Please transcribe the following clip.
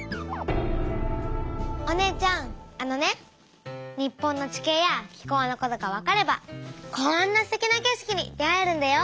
お姉ちゃんあのね日本の地形や気候のことがわかればこんなステキな景色に出会えるんだよ。